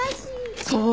そう！